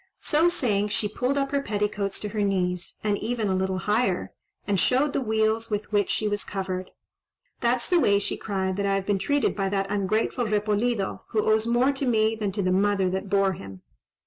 So saying, she pulled up her petticoats to her knees, and even a little higher, and showed the wheals with which she was covered. "That's the way," she cried, "that I have been treated by that ungrateful Repolido, who owes more to me than to the mother that bore him.